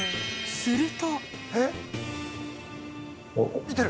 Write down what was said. すると。